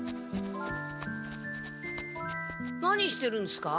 何してるんですか？